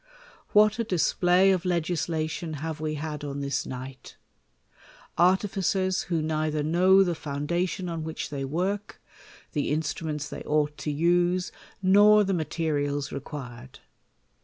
What a display of legislation have we had on this night ? Artificers who neither know the foundation on which they work, the instinimcnts they ought to use, nor the materials required